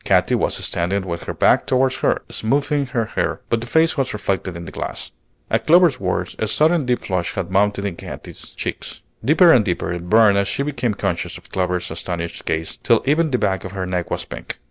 Katy was standing with her back toward her, smoothing her hair, but her face was reflected in the glass. At Clover's words a sudden deep flush had mounted in Katy's cheeks. Deeper and deeper it burned as she became conscious of Clover's astonished gaze, till even the back of her neck was pink.